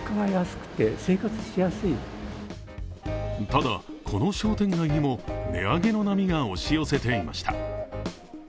ただ、この商店街にも値上げの波が押し寄せていました。